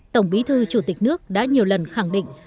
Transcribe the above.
tổng bí thư chủ tịch nước đã nhiều lần khẳng định